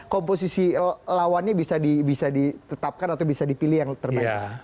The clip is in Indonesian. komposisi lawannya bisa ditetapkan atau bisa dipilih yang terbaik